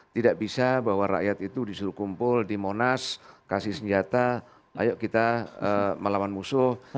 tidak bisa bahwa rakyat itu disuruh kumpul di monas kasih senjata ayo kita melawan musuh